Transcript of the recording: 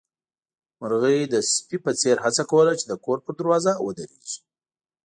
مرغۍ د سپي په څېر هڅه کوله چې د کور پر دروازه ودرېږي.